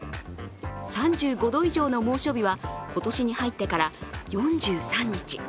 ３５度以上の猛暑日は今年に入ってから４３日。